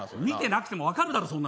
見てなくてもわかるだろ。